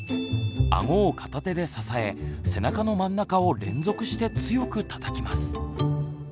あごを片手で支え背中の真ん中を連続して強くたたきます。